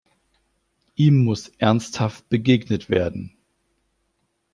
Ihm muss ernsthaft begegnet werden.